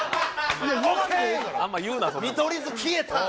見取り図消えた！！